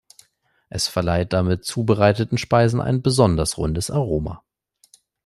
Es verleiht damit zubereiteten Speisen ein besonders rundes Aroma.